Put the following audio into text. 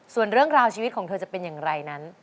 ส่วนเรื่องราวชีวิตของเธอจะเป็นอย่างไรนั้น